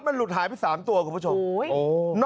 มันหลุดหายไป๓ตัวคุณผู้ชม